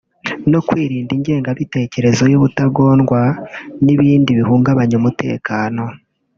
no kwirinda ingengabitekerezo y’ubutagondwa n’ibindi bihungabanya umutekano